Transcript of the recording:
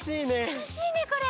たのしいねこれ。